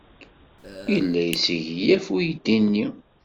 Yella yesseglaf uydi-nni.